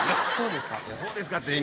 そうですか？